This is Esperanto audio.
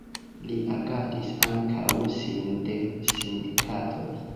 Li agadis ankaŭ sine de sindikatoj.